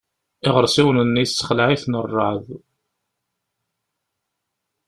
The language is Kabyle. Iɣersiwen-nni yessexleε-iten rrεeḍ.